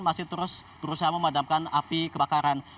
masih terus berusaha memadamkan api kebakaran